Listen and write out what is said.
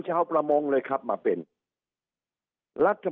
สุดท้ายก็ต้านไม่อยู่